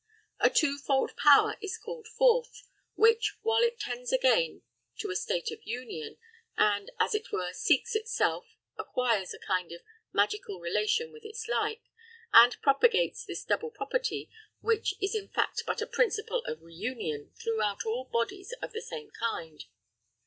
A two fold power is called forth, which, while it tends again to a state of union, and, as it were, seeks itself, acquires a kind of magical relation with its like, and propagates this double property, which is in fact but a principle of reunion, throughout all bodies of the same kind.